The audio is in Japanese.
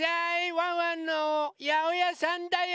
ワンワンのやおやさんだよ。